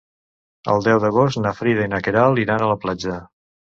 El deu d'agost na Frida i na Queralt iran a la platja.